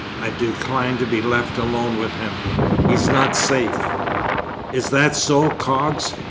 I decline to be left alone with him he's not safe!" "Is that so, Coggs?